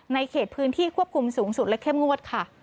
เขตพื้นที่ควบคุมสูงสุดและเข้มงวดค่ะ